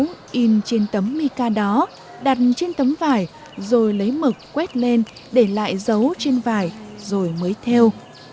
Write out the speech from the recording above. mẫu in trên tấm mica đó đặt trên tấm vải rồi lấy mực quét lên để lại dấu trên vải rồi mới theo